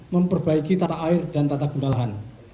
memperbaiki tata air dan tata gunalahan